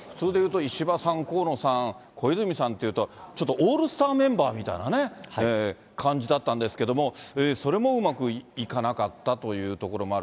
石破さん、河野さん、小泉さんっていうと、ちょっと、オールスターメンバーみたいな感じだったんですけども、それもうまくいかなかったというところもある。